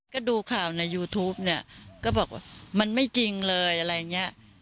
ก็ดูข่าวในยูทูปเนี่ยก็บอกว่ามันไม่จริงเลยอะไรอย่างนี้